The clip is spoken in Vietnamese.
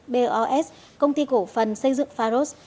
bos công ty cổ phần xây dựng pharos